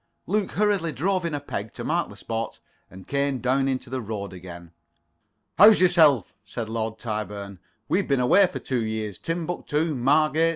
Luke hurriedly drove in a peg to mark the spot, and came down into the road again. "How's yourself?" said Lord Tyburn. "We've been away for two years. Timbuctoo, Margate.